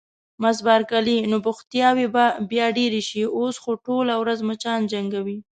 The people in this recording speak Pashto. مس بارکلي: نو بوختیاوې به بیا ډېرې شي، اوس خو ټوله ورځ مچان جنګوو.